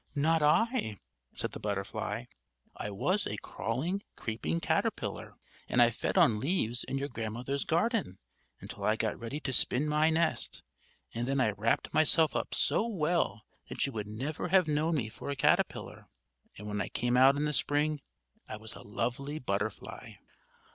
"Not I," said the butterfly. "I was a crawling, creeping caterpillar, and I fed on leaves in your Grandmother's garden until I got ready to spin my nest; and then I wrapped myself up so well that you would never have known me for a caterpillar; and when I came out in the Spring I was a lovely butterfly."